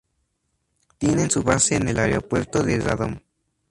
Tienen su base en el aeropuerto de Radom.